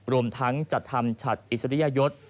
รวมทั้งจัดทำฉัดอิสริยยศ